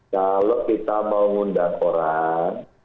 kalau kita mau ngundang orang